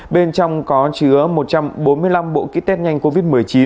bên trong có chứa một trăm bốn mươi năm bộ ký test nhanh covid một mươi chín